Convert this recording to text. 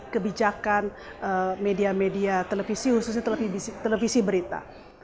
kebijakan media media televisi khususnya televisi berita